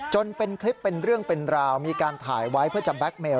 จนเป็นคลิปเป็นเรื่องเป็นราวมีการถ่ายไว้เพื่อจะแก๊กเมล